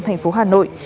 thành phố hà nội